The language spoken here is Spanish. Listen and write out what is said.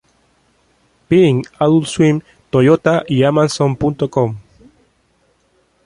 Bean, Adult Swim, Toyota, y Amazon.com.